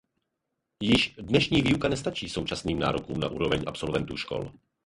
Již dnešní výuka nestačí současným nárokům na úroveň absolventů škol.